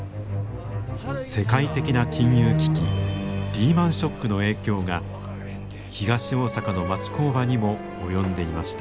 世界的な金融危機リーマンショックの影響が東大阪の町工場にも及んでいました。